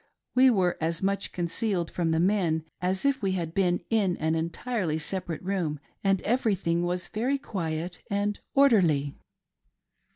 We were as much concealed from the men as if we had been in an entirely separate room, and everything was very quiet and orderly.